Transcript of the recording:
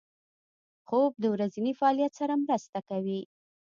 خوب د ورځني فعالیت سره مرسته کوي